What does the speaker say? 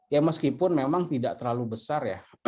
ya meskipun memang tidak terlalu besar ya